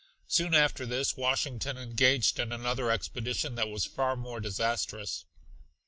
Soon after this Washington engaged in another expedition that was far more disastrous.